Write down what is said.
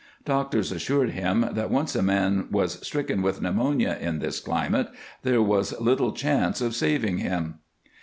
Doctors assured him that once a man was stricken with pneumonia in this climate there was little chance of saving him.